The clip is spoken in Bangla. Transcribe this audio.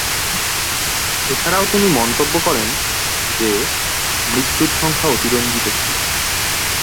এছাড়াও তিনি মন্তব্য করেন যে, মৃত্যুর সংখ্যা অতিরঞ্জিত ছিল।